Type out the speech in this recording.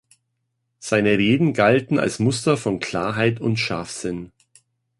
Seine Reden galten als Muster von Klarheit und Scharfsinn.